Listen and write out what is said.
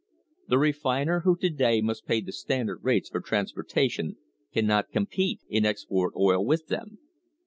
The re finer who to day must pay the Standard rates for transporta tion cannot compete in export oil with them.